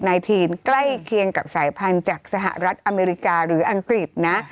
ทีนใกล้เคียงกับสายพันธุ์จากสหรัฐอเมริกาหรืออังกฤษนะ